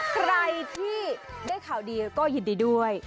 ใครที่ได้ข่าวดีก็ยินดีด้วย